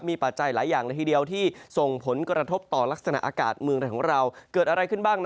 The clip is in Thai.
มีปัจจัยหลายอย่างละทีเดียวที่ส่งผลกระทบต่อลักษณะอากาศเมืองไทยของเราเกิดอะไรขึ้นบ้าง